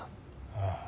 ああ。